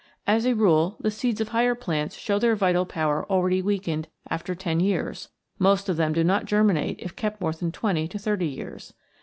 As a rule the seeds of higher plants show their vital power already weakened after ten years ; most of them do not germinate if kept more than twenty to thirty years.